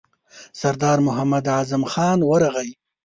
سردار محمد اعظم خان ورغی.